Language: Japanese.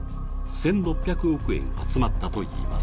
１６００億円集まったといいます。